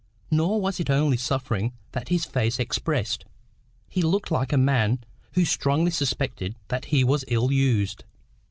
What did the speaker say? Nor was it only suffering that his face expressed. He looked like a man who strongly suspected that he was ill used.